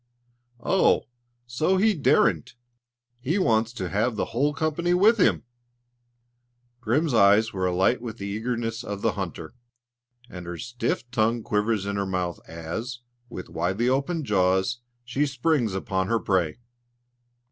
"Oh! so he daren't! He wants to have the whole company with him!" Grim's eyes are alight with the eagerness of the hunter, and her stiff tongue quivers in her mouth as, with widely opened jaws, she springs upon her prey.